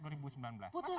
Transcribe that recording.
masa abang mengingkari itu